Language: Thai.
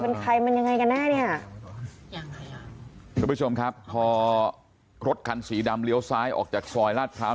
เป็นใครมันยังไงกันแน่เนี่ยยังไงอ่ะทุกผู้ชมครับพอรถคันสีดำเลี้ยวซ้ายออกจากซอยลาดพร้าว